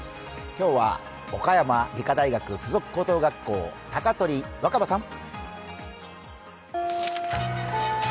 今日は岡山理科大学附属高等学校、高取わか葉さん。